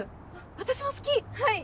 私も好きはい！